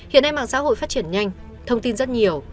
hiện nay mạng xã hội phát triển nhanh thông tin rất nhiều